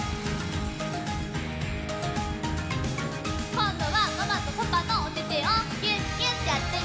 こんどはママとパパのおててをぎゅっぎゅってやってね！